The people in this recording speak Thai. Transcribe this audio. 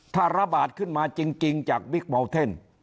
ถ้าระบาดขึ้นมาจริงจากบิ๊กเบาเทน